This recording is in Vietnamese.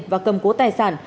và cầm cố tài sản